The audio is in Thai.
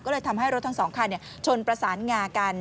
ก็เลยทำให้รถทั้งสองคันชนประสานงากัน